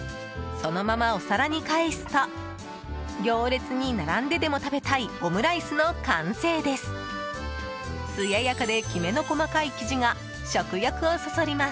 そのままお皿に返すと行列に並んでも食べたいオムライスの完成です。